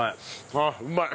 あっうまい。